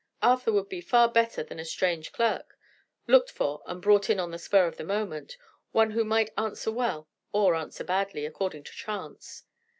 Arthur would be far better than a strange clerk, looked for and brought in on the spur of the moment one who might answer well or answer badly, according to chance.